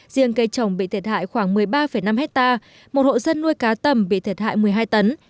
riêng cây trồng bị thiệt hại khoảng một mươi ba năm hectare một hộ dân nuôi cá tầm bị thiệt hại một mươi hai tấn